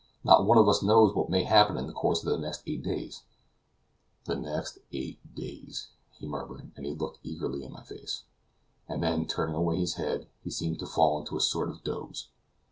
Not one of us knows what may happen in the course of the next eight days." "The next eight days," he murmured, as he looked eagerly into my face. And then, turning away his head, he seemed to fall into a sort of doze.